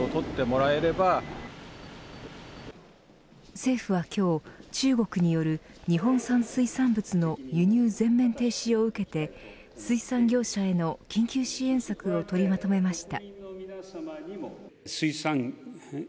政府は今日、中国による日本産水産物の輸入全面停止を受けて水産業者への緊急支援策を取りまとめました。